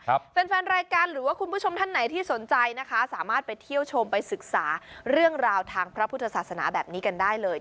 แฟนแฟนรายการหรือว่าคุณผู้ชมท่านไหนที่สนใจนะคะสามารถไปเที่ยวชมไปศึกษาเรื่องราวทางพระพุทธศาสนาแบบนี้กันได้เลย